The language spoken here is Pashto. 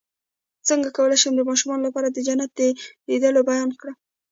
څنګه کولی شم د ماشومانو لپاره د جنت د لیدلو بیان کړم